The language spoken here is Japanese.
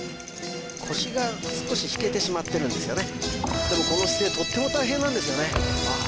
腰が少し引けてしまってるんですよねでもこの姿勢とっても大変なんですよねああ